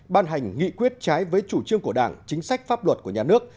ban hành nghị quyết trái với chủ trương của đảng chính sách pháp luật của nhà nước